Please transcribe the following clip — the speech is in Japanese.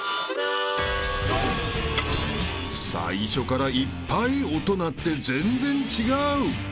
［最初からいっぱい音鳴って全然違う］